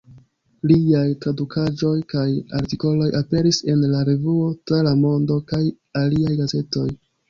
Liaj tradukaĵoj kaj artikoloj aperis en "La Revuo, Tra la Mondo" kaj aliaj gazetoj.